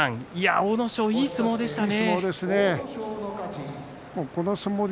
阿武咲はいい相撲でしたね。